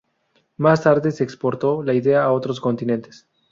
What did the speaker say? Más tarde se exportó la idea a otros continentes.